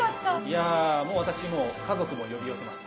いや私もう家族も呼び寄せます。